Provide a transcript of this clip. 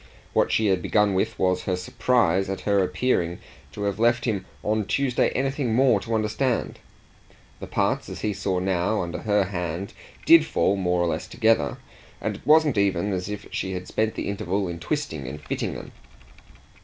What she had begun with was her surprise at her appearing to have left him on Tuesday anything more to understand. The parts, as he now saw, under her hand, did fall more or less together, and it wasn't even as if she had spent the interval in twisting and fitting them.